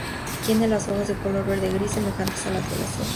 Tiene las hojas de color verde-gris semejantes a las del acebo.